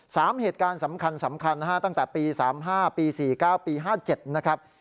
สามเหตุการณ์สำคัญตั้งแต่ปี๓๕ปี๔๙ปี๕๗นะครับ